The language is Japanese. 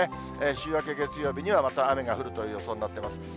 週明け月曜日にはまた雨が降るという予想になっています。